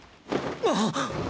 あっ。